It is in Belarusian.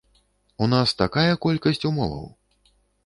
У нас такая колькасць умоваў!